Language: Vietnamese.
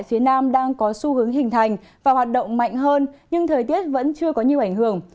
ở phía nam đang có xu hướng hình thành và hoạt động mạnh hơn nhưng thời tiết vẫn chưa có nhiều ảnh hưởng